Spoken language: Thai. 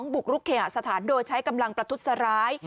บุกรุกเคหสถานโดยใช้กำลังประทุษร้าย